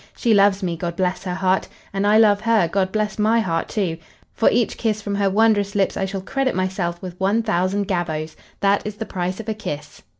She loves me, God bless her heart! And I love her, God bless my heart, too! For each kiss from her wondrous lips I shall credit myself with one thousand gavvos. That is the price of a kiss."